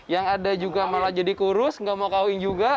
yang ada juga malah jadi kurus nggak mau kawin juga